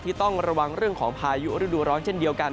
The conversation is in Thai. ต้องระวังเรื่องของพายุฤดูร้อนเช่นเดียวกัน